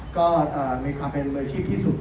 ก็มีความเป็นบริษัทที่สุด